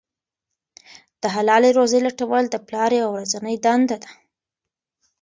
د حلاله روزۍ لټول د پلار یوه ورځنۍ دنده ده.